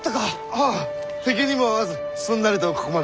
はあ敵にも会わずすんなりとここまで。